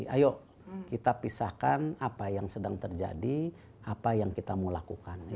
ayo kita pisahkan apa yang sedang terjadi apa yang kita mau lakukan